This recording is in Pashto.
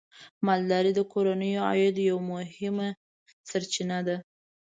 مالداري د کورنیو د عاید یوه مهمه سرچینه ده.